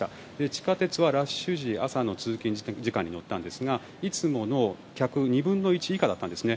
地下鉄はラッシュ時朝の通勤時間帯に乗ったんですがいつもの客の２分の１以下だったんですね。